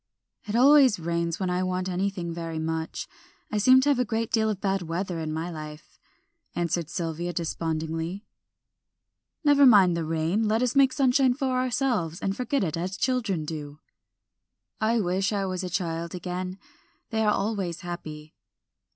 "It always rains when I want anything very much. I seem to have a great deal of bad weather in my life," answered Sylvia, despondingly. "Never mind the rain; let us make sunshine for ourselves, and forget it as children do." "I wish I was a child again, they are always happy."